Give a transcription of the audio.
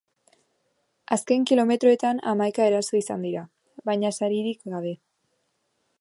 Azken kilometroetan hamaika eraso izan dira, baina saririk gabe.